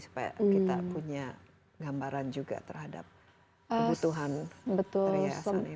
supaya kita punya gambaran juga terhadap kebutuhan perhiasan ini